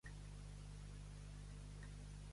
De mitja hora passar.